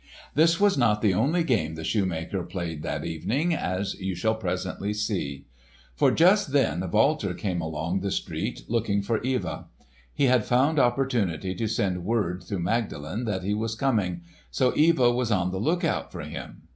This was not the only game the shoemaker played that evening, as you shall presently see. For just then Walter came along the street looking for Eva. He had found opportunity to send word through Magdalen that he was coming, so Eva was on the lookout for him.